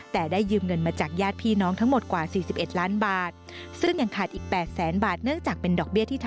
แต่ได้ยืมเงินมาจากญาติพี่น้องทั้งหมดกว่า๔๑ล้านบาท